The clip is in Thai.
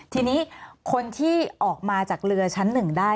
ทีนี้คนที่ออกมาจากเรือชั้นหนึ่งได้